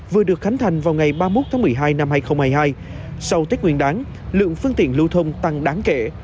vừa được khánh thành vào ngày ba mươi một tháng một mươi hai năm hai nghìn hai mươi hai sau tết nguyên đáng lượng phương tiện lưu thông tăng đáng kể